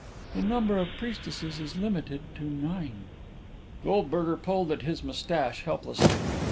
The number of priestesses is limited to nine." Goldberger pulled at his moustache helplessly.